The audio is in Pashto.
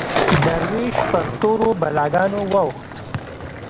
دروېش پر تورو بلاګانو واوښت